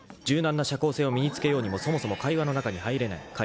［柔軟な社交性を身に付けようにもそもそも会話の中に入れない。